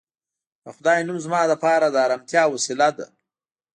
د خدای نوم زما لپاره د ارامتیا وسیله ده